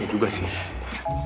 ya juga sih